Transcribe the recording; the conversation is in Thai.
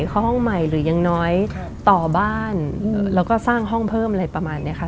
เข้าห้องใหม่หรือยังน้อยต่อบ้านแล้วก็สร้างห้องเพิ่มอะไรประมาณนี้ค่ะ